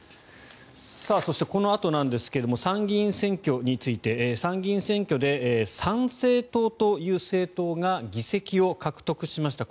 そしてこのあとなんですが参議院選挙について参議院選挙で参政党という政党が議席を獲得しました。